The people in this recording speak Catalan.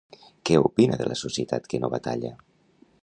Què opina de la societat que no batalla?